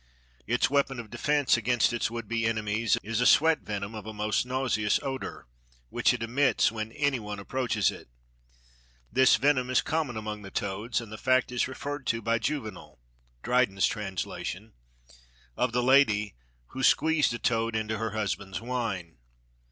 Its weapon of defense against its would be enemies is a sweat venom of a most nauseous odor, which it emits when any one approaches it. This venom is common among the toads, and the fact is referred to by Juvenal (Dryden's translation) of the lady "who squeezed a toad into her husband's wine."